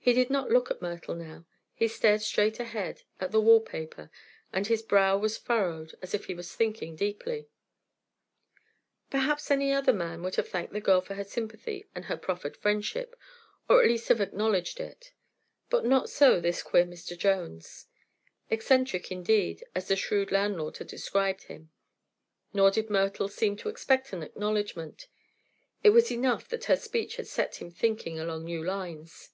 He did not look at Myrtle now; he stared straight ahead, at the wall paper, and his brow was furrowed as if he was thinking deeply. Perhaps any other man would have thanked the girl for her sympathy and her proffered friendship, or at the least have acknowledged it. But not so this queer Mr. Jones; eccentric, indeed, as the shrewd landlord had described him. Nor did Myrtle seem to expect an acknowledgment. It was enough for her that her speech had set him thinking along new lines.